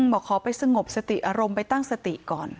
บอกขอไปสงบสติอารมณ์ไปตั้งสติก่อน